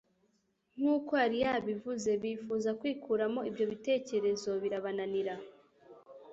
nk'uko yari yabivuze? Bifuza kwikuramo ibyo bitekerezo birabananira.